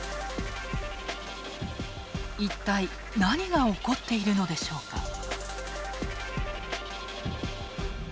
いったい何が起こっているのでしょうか。